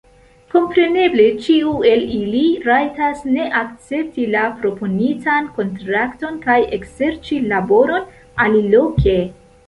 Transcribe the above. Kompreneble ĉiu el ili rajtas ne akcepti la proponitan kontrakton kaj ekserĉi laboron aliloke.